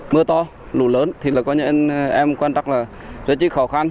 mưa to lũ lớn thì em quan trọng là rất khó khăn